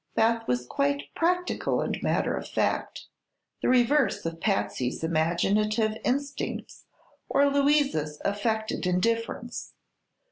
Beth was quite practical and matter of fact, the reverse of Patsy's imaginative instincts or Louise's affected indifference.